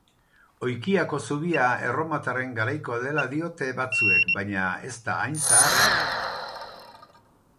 Oikiako zubia erromatarren garaikoa dela diote batzuek, baina ez da hain zaharra.